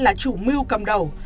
là chủ mưu